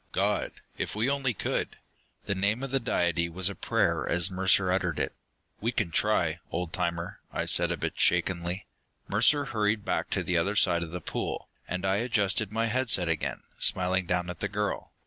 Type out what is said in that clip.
God! If we only could!" The name of the Deity was a prayer as Mercer uttered it. "We can try, old timer," I said, a bit shakenly. Mercer hurried back to the other side of the pool, and I adjusted my head set again, smiling down at the girl.